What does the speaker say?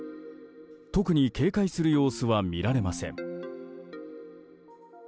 特に警戒する様子は見られません。